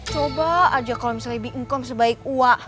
coba aja kalo misalnya lebih income sebaik wak